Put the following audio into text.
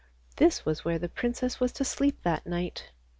This was where the princess was to sleep that night.